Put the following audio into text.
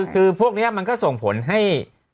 คือพวกนี้มันก็ส่งผลให้